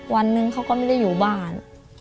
วันหนึ่งเขาก็ไม่ได้อยู่บ้าน